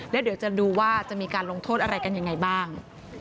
แล้วเดี๋ยวจะดูว่าจะมีการลงโทษอะไรกันยังไงบ้าง